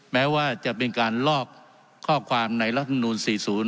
แม้ว่าจะเป็นการลอกข้อความในรัฐมนูล๔๐